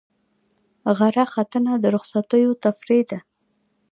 غره ختنه د رخصتیو تفریح ده.